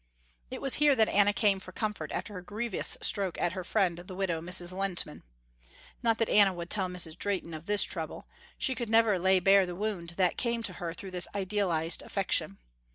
It was here that Anna came for comfort after her grievous stroke at her friend the widow, Mrs. Lehntman. Not that Anna would tell Mrs. Drehten of this trouble. She could never lay bare the wound that came to her through this idealised affection.